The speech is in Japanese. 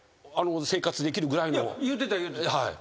言うてた言うてた。